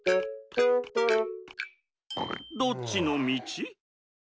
どっちのみち？